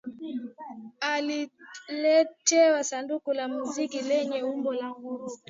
aliletewa sanduku la mziki lenye umbo la nguruwe